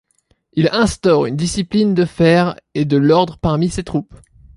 Il instaura une discipline de fer et de l'ordre parmi ses troupes.